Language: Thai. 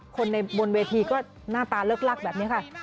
คนในบนเวทีก็หน้าตาเลิกลักแบบนี้ค่ะ